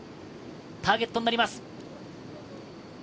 ターゲットになります。